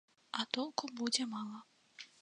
А толку будзе мала.